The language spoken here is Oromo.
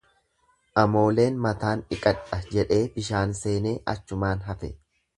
Amooleen mataan dhiqadha jedhee bishaan seenee achumaan hafe.